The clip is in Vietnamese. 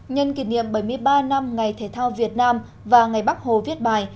nhân kỷ niệm bảy mươi ba năm ngày thể thao việt nam và ngày bắc hồ viết bài